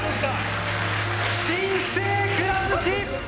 新生くら寿司！